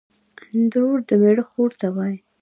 اندرور دمېړه خور ته وايي